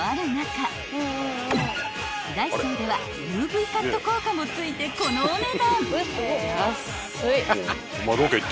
［ＤＡＩＳＯではＵＶカット効果もついてこのお値段］